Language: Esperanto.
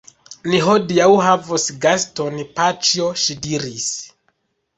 Ni hodiaŭ havos gaston, paĉjo, ŝi diris.